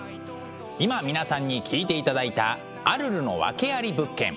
今皆さんに聴いていただいた「アルルの訳あり物件」。